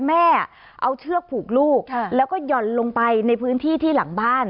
แม่เอาเชือกผูกลูกแล้วก็หย่อนลงไปในพื้นที่ที่หลังบ้าน